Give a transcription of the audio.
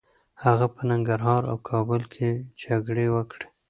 هغه په ننګرهار او کابل کي جګړې وکړې.